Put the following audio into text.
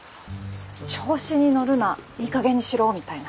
調子に乗るないいかげんにしろみたいな。